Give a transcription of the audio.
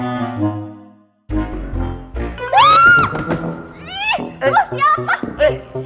ih lu siapa